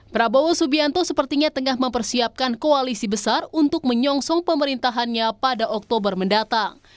prabowo subianto sepertinya tengah mempersiapkan koalisi besar untuk menyongsong pemerintahannya pada oktober mendatang